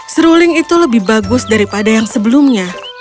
seruling itu lebih bagus daripada yang sebelumnya